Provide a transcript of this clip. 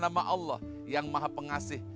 nama allah yang maha pengasih